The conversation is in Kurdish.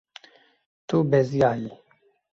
Tu beziyayî.